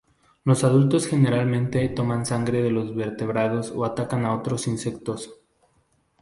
Los adultos generalmente toman sangre de vertebrados o atacan a otros insectos.